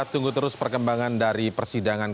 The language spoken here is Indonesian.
tunggu terus perkembangan dari persidangan